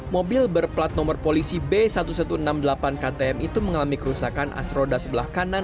mobil berplat nomor polisi b seribu satu ratus enam puluh delapan ktm itu mengalami kerusakan asroda sebelah kanan